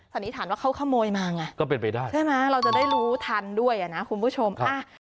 สันธารว่าเขาเข้าโมยมาอย่างไรใช่ไหมเราจะได้รู้ทันด้วยนะคุณผู้ชมครับ